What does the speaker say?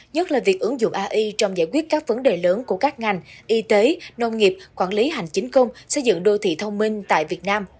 nhất là việc ứng dụng ai trong giải quyết các vấn đề lớn của các ngành y tế nông nghiệp quản lý hành chính công xây dựng đô thị thông minh tại việt nam